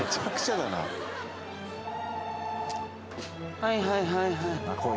☎はいはいはいはい。